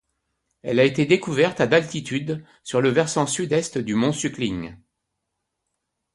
Elle a été découverte à d'altitude sur le versant Sud-Est du mont Suckling.